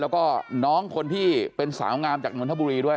แล้วก็น้องคนที่เป็นสาวงามจากนนทบุรีด้วย